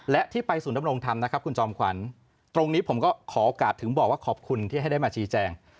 และที่ไปศูนยำรงธรรมนะครับคุณจอมขวัญตรงนี้ผมก็ขอโอกาสถึงบอกว่าขอบคุณที่ให้ได้มาชี้แจง